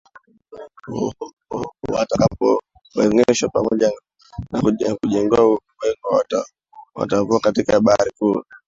Watakapowezeshwa pamoja na kujengewa uwezo watavua katika bahari kuu